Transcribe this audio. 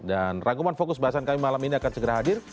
dan rangkuman fokus bahasan kami malam ini akan segera hadir